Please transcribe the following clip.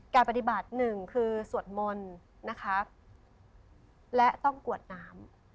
การปฏิบัติหนึ่งคือสวดมนต์นะคะและต้องกวดน้ำ